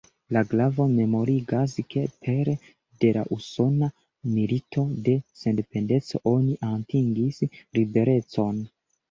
La glavo memorigas ke pere de la Usona Milito de Sendependeco oni atingis liberecon.